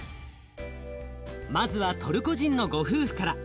まずはトルコ人のご夫婦から。